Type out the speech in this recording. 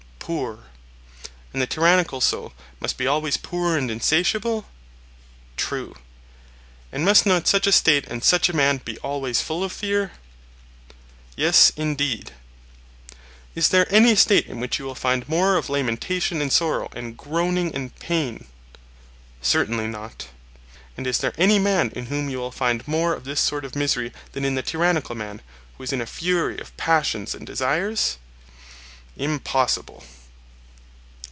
Poor. And the tyrannical soul must be always poor and insatiable? True. And must not such a State and such a man be always full of fear? Yes, indeed. Is there any State in which you will find more of lamentation and sorrow and groaning and pain? Certainly not. And is there any man in whom you will find more of this sort of misery than in the tyrannical man, who is in a fury of passions and desires? Impossible.